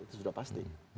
itu sudah pasti